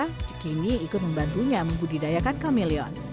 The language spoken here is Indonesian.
segini ikut membantunya membudidayakan kameleon